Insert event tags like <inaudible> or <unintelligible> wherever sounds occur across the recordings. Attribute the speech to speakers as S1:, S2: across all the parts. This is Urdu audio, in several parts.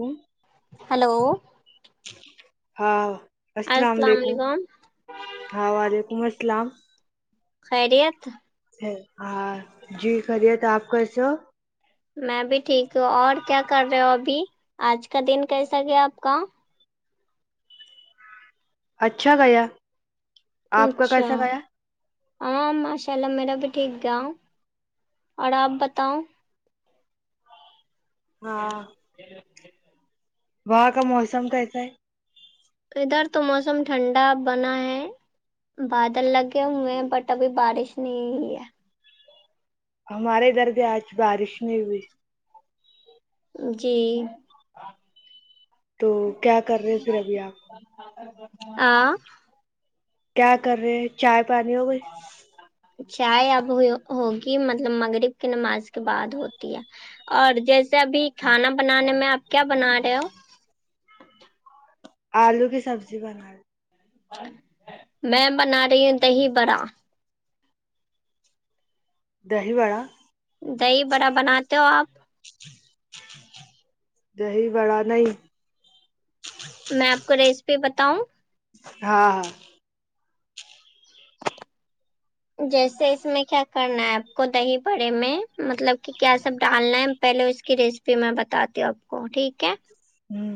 S1: ہوں
S2: ہیلو
S1: ہاں السلام علیکم ہاں وعلیکم السلام
S2: خیریت
S1: ہاں جی خیریت آپ کیسے ہو
S2: میں بھی ٹھیک ہوں اور کیا کر رہے ہو ابھی آج کا دن کیسا کیا آپ کا
S1: اچھا گیا آپ کا
S2: اچھا
S1: کیسا گیا
S2: ہاں ماشاء اللہ میرا بھی ٹھیک گیا اور آپ بتاؤں
S1: ہاں
S2: ج <unintelligible>
S1: وہاں کا موسم کیسا ہے
S2: ادھر تو موسم ٹھنڈا بنا ہے بادل لگے ہوئے ہیں بٹ ابھی بارش نہیں ہوئی ہے
S1: ہمارے ادھر بھی آج بارش نہیں ہوئی
S2: جی
S1: تو کیا کر رہے ہیں پھر ابھی آپ
S2: آں
S1: کیا کر رہے ہیں چائے پانی ہو گئی
S2: چائے اب ہو ہوگی مطلب مغرب کی نماز کے بعد ہوتی ہے اور جیسے ابھی کھانا بنانے میں آپ کیا بنا رہے ہو
S1: آلو کی سبزی بناے
S2: میں بنا رہی ہوں دہی برا
S1: دہی وڑا
S2: دہی بڑا بناتے ہو آپ
S1: دہی بڑا نہیں
S2: میں آپ کو ریسیپی بتاؤں
S1: ہاں ہاں
S2: جیسے اس میں کیا کرنا ہے آپ کو دہی بڑے میں مطلب کہ کیا سب ڈالنا ہے پہلے اس کی ریسیپی میں بتاتی ہوں آپ کو ٹھیک ہے
S1: ہوں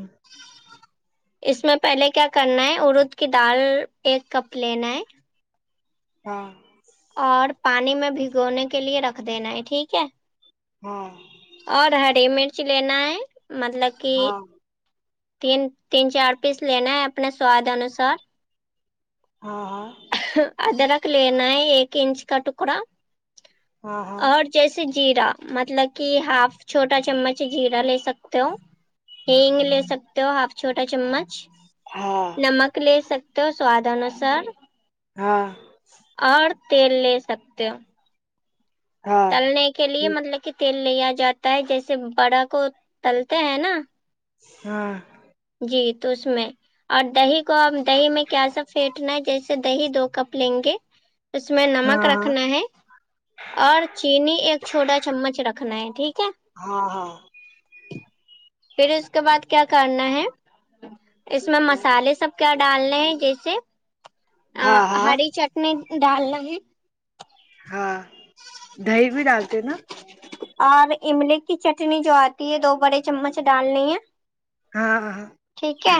S2: اس میں پہلے کیا کرنا ہے ارود کی دال ایک کپ لینا ہے
S1: ہاں
S2: اور پانی میں بھگونے کے لیے رکھ دینا ہے ٹھیک ہے
S1: ہاں
S2: اور ہری مرچ لینا ہے مطلب کہ تین تین چار پیس لینا ہے اپنے سواد انوسار
S1: ہاں
S2: ادرک لینا ہے ایک انچ کا ٹکڑا
S1: ہاں ہاں ہاں
S2: اور جیسے جیرا مطلب کہ ہاف چھوٹا چمچ جیرا لے سکتے ہو ہینگ لے سکتے ہو ہاف چھوٹا چمچ
S1: ہاں
S2: نمک لے سکتے ہو سواد انوسار
S1: ہاں
S2: اور تیل لے سکتے ہو
S1: ہاں
S2: تلنے کے لیے مطلب کہ تیل لیا جاتا ہے جیسے بڑا کو تلتے ہیں نا
S1: ہاں
S2: جی تو اس میں اور دہی کو دہی میں کیا سا پھینٹنا ہے جیسے دہی دو کپ لیں گے اس میں نمک
S1: ہاں
S2: رکھنا ہے اور چینی ایک چھوٹا چمچ رکھنا ہے ٹھیک ہے
S1: ہاں ہاں
S2: پھر اس کے بعد کیا کرنا ہے اس میں مسالے سب کیا ڈالنے ہیں جیسے
S1: ہاں ہاں ہاں
S2: ہری چ ٹنی ڈالنا ہے
S1: ہاں دہی بھی ڈالتے نا
S2: اور املی کی چٹنی جو آتی ہے دو بڑے چمچ ڈالنی ہے
S1: ہاں ہاں ہاں
S2: ٹھیک ہے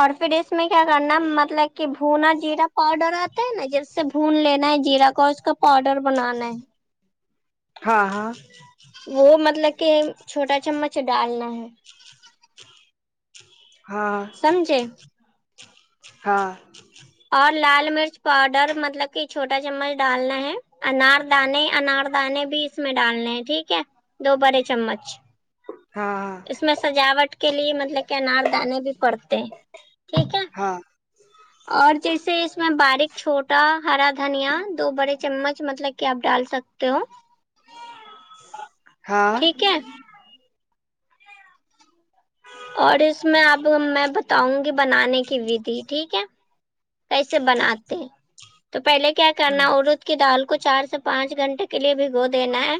S2: اور پھر اس میں کیا کرنا مطلب کہ بھونا جیرا پاؤڈر آتا ہے نا جیس اس سے بھون لینا ہے جیرا کو اور اس کا پاؤڈر بنانا ہے
S1: ہاں ہاں
S2: وہ مطلب کہ چھوٹا چمچ ڈالنا ہے
S1: ہاں
S2: سمجھے
S1: ہاں
S2: اور لال مرچ پاؤڈر مطلب کہ چھوٹا چمچ ڈالنا ہے انار دانے انار دانے بھی اس میں ڈالنے ہیں ٹھیک ہے دو بڑے چمچ
S1: ہاں ہاں
S2: اس میں سجاوٹ کے لیے مطلب کہ انار دانے بھی پڑتے ہیں ٹھیک ہے
S1: ہاں
S2: اور جیسے اس میں باریک چھوٹا ہرا دھنیا دو بڑے چمچ مطلب کہ آپ ڈال سکتے تو
S1: ہاں
S2: ٹھیک ہے اور اس میں آپ میں بتاؤں گی بنانے کی ودھی ٹھیک ہے کیسے بناتے تو پہلے کیا کرنا ارد کی دال کو چار سے پانچ گھنٹے کے لیے بھگو دینا ہے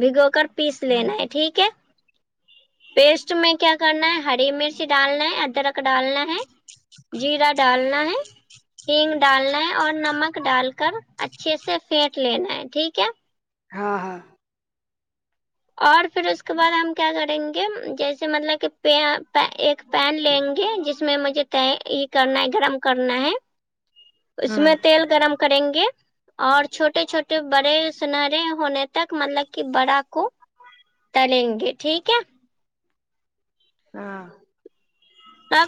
S2: بھگو کر پیس لینا ہے ٹھیک ہے پیسٹ میں کیا کرنا ہے ہری مرچ ڈالنا ہے ادرک ڈالنا ہے جیرا ڈالنا ہے ہنگ ڈالنا ہے اور نمک ڈال کر اچھے سے پھیٹ لینا ہے ٹھیک ہے
S1: ہاں ہاں
S2: اور پھر اس کے بعد ہم کیا کریں گے جیسے مطلب کہ <unintelligible> پین لیں گے جس میں مجھے یہ کرنا ہے گرم کرنا ہے اس میں تیل گرم کریں گے اور چھوٹے چھوٹے بڑے سنہرے ہونے تک مطلب کہ بڑا کو تلیں گے ٹھیک ہے
S1: ہاں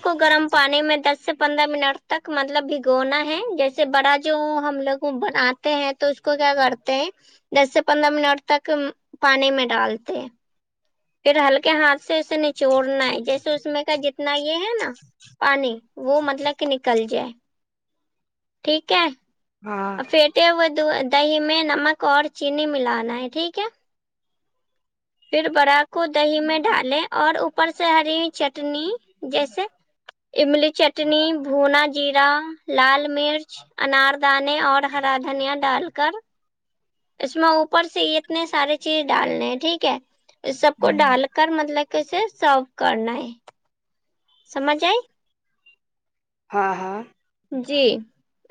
S2: کو گرم پانی میں دس سے پندرہ منٹ تک مطلب بھگونا ہے جیسے بڑا جو ہم لوگ وہ بناتے ہیں تو اس کو کیا کرتے ہیں دس سے پندرہ منٹ تک پانی میں ڈالتے ہے پھر ہلکے ہاتھ سے اسے نچوڑنا ہے جیسے اس میں کا جتنا یہ ہے نا پانی وہ مطلب کہ نکل جائے ٹھیک ہے
S1: ہاں
S2: اور پھیٹے ہوئے دہی میں نمک اور چینی ملانا ہے ٹھیک ہے پھر بڑا کو دہی میں ڈالے اور اوپر سے ہری چٹنی جیسے املی چٹنی بھونا جیرا لال مرچ اناردانے اور ہرا دھنیا ڈال کر اس میں اوپر سے اتنے سارے چیز ڈالنے ٹھیک ہے اس سب کو
S1: ہوں
S2: ڈال کر مطلب کیسے سرو کرنا ہے سمجھ آیی
S1: ہاں ہاں
S2: جی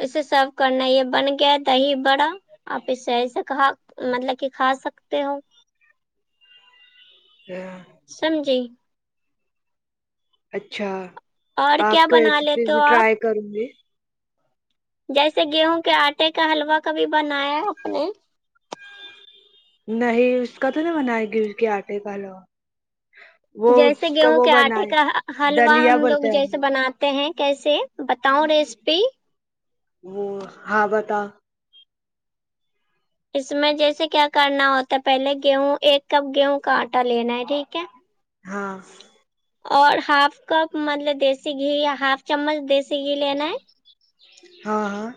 S2: اسے سرو کرنا یہ بن گیا دہی بڑا آپ اس سے ایسا کہا مطلب کہ کھا سکتے ہو
S1: <unintelligible>
S2: سمجھی
S1: اچھا
S2: اور
S1: آپ
S2: کیا بنا
S1: کیسی
S2: لیتے ہو آپ
S1: ٹرائی کروں گے
S2: جیسے گیہوں کے آٹے کا حلوہ کبھی بنایا اپ نے
S1: نہیں اس کا تو نہیں بنائے گی اس کے آٹے کا حلوہ
S2: جیسے گیہوں کے آٹے کا حلوہ
S1: دلیا
S2: ہم لوگ
S1: بولتے
S2: جیسے
S1: ہیں
S2: بنات تے ہیں کیسے بتاؤں ریسپی
S1: وہ ہاں بتاؤ
S2: اس میں جیسے کیا کرنا ہوتا ہے پہلے گیہوں ایک کپ گیہوں کا آٹا لینا ہے ٹھیک ہے
S1: ہاں
S2: اور ہاف کپ مطلب دیسی گھی یا ہاف چمچ دیسی گھی لینا ہے
S1: ہاں ہاں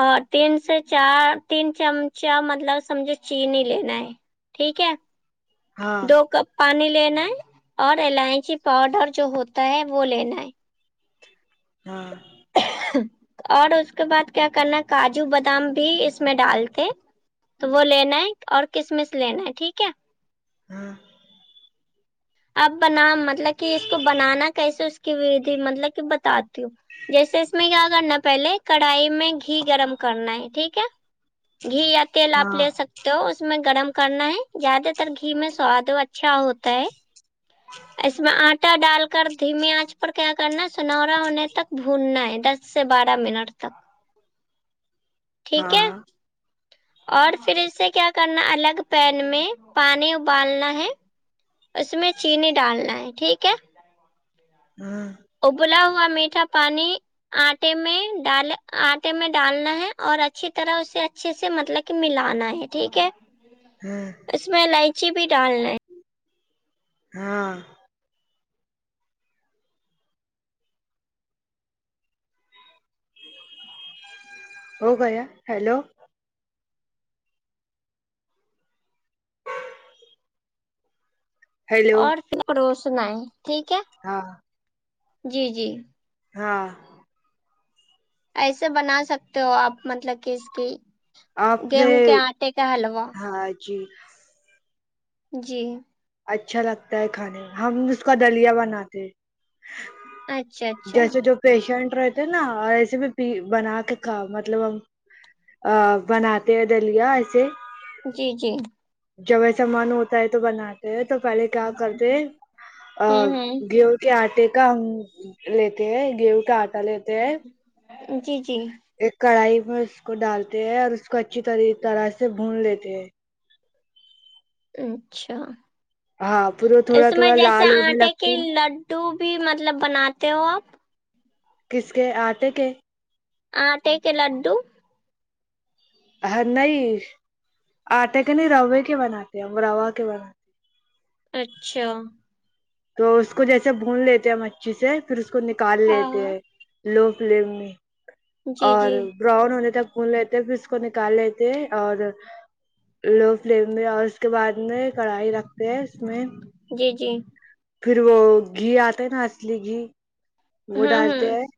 S2: اور تین سے چار تین چمچا مطلب سمجھو چینی لینا ہے ٹھیک ہے
S1: ہاں
S2: دو کپ پانی لینا ہے اور الائچی پاؤڈر جو ہوتا ہے وہ لینا ہے
S1: ہاں
S2: اور اس کے بعد کیا کرنا کاجو بادام بھی اس میں ڈالتے تو وہ لینا ہے اور کسمس لینا ہے ٹھیک ہے
S1: ہاں
S2: اب بنا مطلب کہ اس کو بنانا کیسے اس کی ودھی مطلب کہ بتاتی ہوں جیسے اس میں کیا کرنا پہلے کڑھائی میں گھی گرم کرنا ہے ٹھیک ہے گھی یا تیل آپ
S1: ہاں
S2: لے سک تے ہو اس میں گرم کرنا ہے زیادہ تر گھی میں سواد اچھا ہوتا ہے اس میں آٹا ڈال کر دھیمی آنچ پر کیا کرنا ہے سنورا ہونے تک بھوننا ہے دس سے بارہ منٹ تک
S1: ہاں
S2: ٹھیک ہے
S1: ہاں
S2: اور پھر اس سے کیا کرنا الگ پین میں پانی ابالنا ہے اس میں چینی ڈالنا ہے ٹھیک ہے
S1: ہاں
S2: ابلا ہوا میٹھا پانی آٹے میں ڈال آٹے میں ڈالنا ہے اور اچھی طرح اسے اچھے سے مطلب کہ ملانا ہے ٹھیک ہے
S1: ہوں
S2: اس میں الائچی بھی ڈالنا ہیں
S1: ہاں ہوگیا ہیلو ہیلو
S2: اور پھر پروسنا ہے ٹھیک ہے
S1: ہاں
S2: جی جی
S1: ہاں
S2: ایسے بنا سکتے ہو آپ مطلب کہ اس کی
S1: آپ نے
S2: گیہوں کے آٹے کا حلوہ
S1: ہاں جی
S2: جی
S1: اچھا لگتا ہے کھانے میں ہم اس کا دلیا بناتے
S2: اچھا اچھا
S1: جیسے جو پیشنٹ رہتے نا ایسے بھی پی بنا کے کھاؤ مطلب ہم ا بناتے ہیں دلیا ایسے
S2: جی جی
S1: جب ایسا من ہوتا ہے تو بناتے ہیں تو پہلے کیا کرتے
S2: ہوں ہوں
S1: کے آٹے کا ہم لیتے ہیں گیہوں کا آٹا لی
S2: جی جی
S1: ایک کڑھائی میں اس کو ڈالتے ہیں اور اس کو اچھی طرح سے بھون لیتے ہیں
S2: اچھا
S1: ہاں پھر وہ تھوڑا
S2: اس میں
S1: تھوڑا
S2: جیسے
S1: لال ہونے
S2: آٹے کی
S1: لگتی
S2: لڈ ٹو بھی مطلب بناتے ہو آپ
S1: کس کے آتے کے
S2: آٹے کے لڈو
S1: نہیں آٹے کے نہیں روے کے بناتے ہیں ہم روا کے بناتے
S2: اچھا
S1: تو اس کو جیسے بھون لیتے ہیں مچھی سے پھر اس کو نکال
S2: ہاں
S1: لیتے
S2: ہاں
S1: ہیں لو فلیم میں
S2: جی
S1: اور
S2: جی
S1: براؤن ہونےتا بھون لیتے پھر اس کو نکال لیتے اور لو فلیم میں اور اس کے بعد میں کڑھائی رکھتے ہیں اس میں
S2: جی جی
S1: پھر وہ گھی آتا ہے نا اصلی گھی وہ
S2: ہوں
S1: ڈالتے ہے
S2: ہوں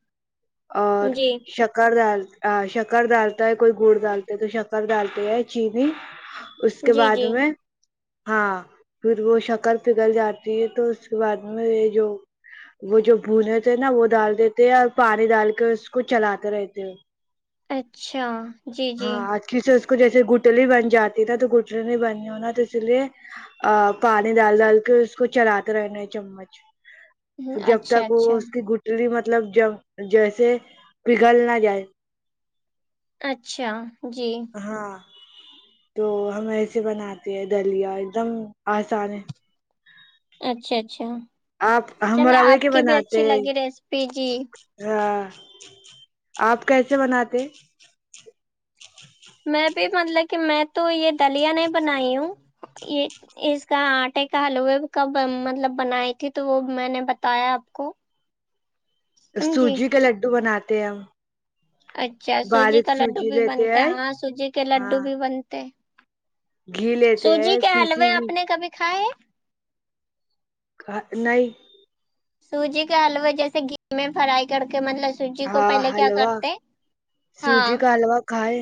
S1: اور
S2: جی
S1: شکر دال ا شکر ڈالتا ہے کوئی گڑ ڈالتا ہے تو شکر ڈالتے ہے چینی اس کے
S2: جی
S1: بعد
S2: جی
S1: میں ہاں پھر وہ شکر پگل جاتی ہے تو اس کے بعد میں یہ جو وہ جو بھنے تھے نا وہ ڈال دیتے ہیں اور پانی ڈال کے اس کو چلاتے رہتے ہیں
S2: اچھا جی جی
S1: ہاں آ کل سے اس کو جیسے گٹلی بن جاتی نا تو گٹل نہیں بنی ہوناا تو اس لیے ا پانی ڈال ڈال کے اس کو چلاتے رہنا چمچ
S2: <inaudible>
S1: پھر جب
S2: اچھا
S1: تک وہ
S2: اچھا
S1: اس کی گٹلی مطلب جب جیسے پگھل نہ جائے
S2: اچھا جی
S1: ہاں تو ہم ایسے بناتے ہیں دلیا ایک دم آسان ہے
S2: اچھا اچھا
S1: آپ ہم
S2: چلو
S1: روے
S2: آپ
S1: کے
S2: کی بھی
S1: بناتے
S2: اچھی
S1: ہیں،
S2: لگی ریسیپی جی
S1: ہاں آپ کیسے بناتے
S2: میں بھی مطلب کہ میں تو یہ دلیا نہیں بنائی ہوں یہ اس کا آٹے کا حلوے کب مطلب بنائی تھی تو وہ میں نے بتایا آپ کو <inaudible>
S1: سوجی کے لڈو بناتے ہیں ہم
S2: اچھا سوجی
S1: باریک
S2: کا لڈو بھی
S1: لیتے
S2: بنتا ہے
S1: ہیں
S2: ہاں سوجی کے
S1: ہاں
S2: لڈو بھی بنتے
S1: گھی لیتے
S2: سوجی
S1: ہیں
S2: کے
S1: پیسی
S2: حلوے
S1: ہوئی
S2: آپ نے کبھی کھائے ہے
S1: نہیں
S2: سوجی کے حلوے جیسے گھی میں فرائی کر کے مطلب سوجی کو
S1: ہاں
S2: پہلے کیا
S1: حلوا
S2: کرتے ہاں
S1: سوجی کا حلوا کھائے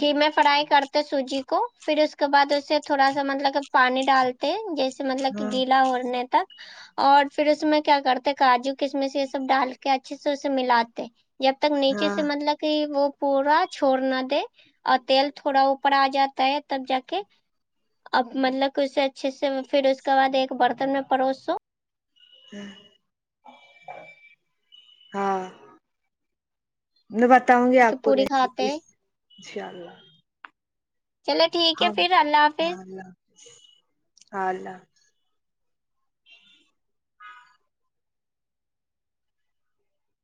S2: گھی میں فرائی کرتے سوجی کو پھر اس کے بعد اسے تھوڑا سا مطلب کہ پانی ڈال جیسے مطلب کہ
S1: ہاں
S2: گیلا ہونے تھا اور پھر اس میں کیا کرتے کاجو کسمش یہ سب ڈال کے اچھے سے اسے ملاتے جب تک نیچے
S1: ہاں
S2: سے مطلب کہ وہ پورا چھڑ نہ دے اور تیل تھوڑا اوپر آ جاتا ہے تب جا کے اب مطلب کوچ سے اچھے سے پھر اس کے بعد ایک برتن میں پروسو
S1: ہاں میں بتاؤں گی
S2: کہ
S1: آپ کو
S2: پوری
S1: راپیسس انشاء اللہ
S2: چلو
S1: ہاں ہاں اللہ حافظ ہاں اللہ حافظ